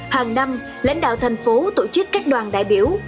hàng năm lãnh đạo thành phố tổ chức các đoàn đại biểu